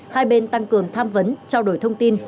hai bên tăng cường tham vấn trao đổi thông tin